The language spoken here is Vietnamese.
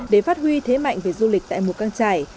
để phát huy thế mạnh về du lịch tại mùa căng trải